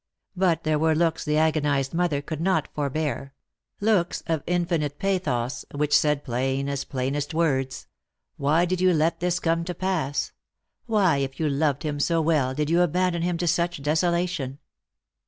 But there were looks the agonised mother could not forbear ; looks of infinite pathos, which said plain a3 plainest words, " Why did you let this come to pass ? Why, if you loved him so well, did you abandon him to such desolation